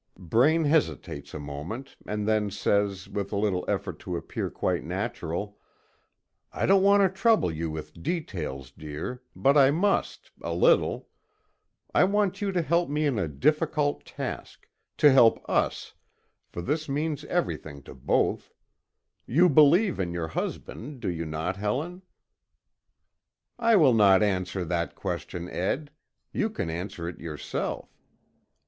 Braine hesitates a moment, and then says, with a little effort to appear quite natural: "I don't want to trouble you with details, dear, but I must, a little. I want you to help me in a difficult task to help us, for this means everything to both. You believe in your husband, do you not, Helen?" "I will not answer that question, Ed. You can answer it yourself."